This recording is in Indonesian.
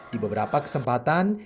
di beberapa kesempatan